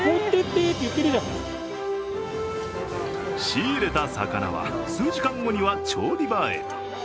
仕入れた魚は数時間後には調理場へ。